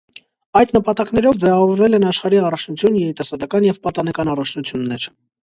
Այդ նպատակներով ձևավորվել են աշխարի առաջնություն, երիտասարդական և պատանեկան առաջնություններ։